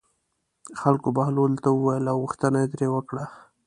خلکو بهلول ته وویل او غوښتنه یې ترې وکړه.